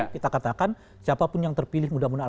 kita katakan siapapun yang terpilih mudah mudahan